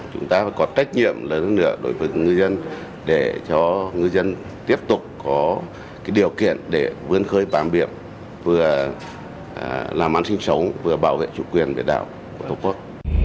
chúng ta phải có trách nhiệm lớn hơn nữa đối với ngư dân để cho ngư dân tiếp tục có điều kiện để vươn khơi bám biển vừa làm ăn sinh sống vừa bảo vệ chủ quyền biển đảo của tổ quốc